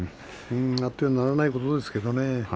あってはならないことですけれどもね。